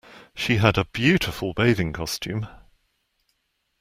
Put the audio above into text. She had a beautiful bathing costume